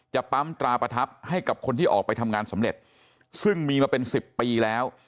ปั๊มตราประทับให้กับคนที่ออกไปทำงานสำเร็จซึ่งมีมาเป็นสิบปีแล้ว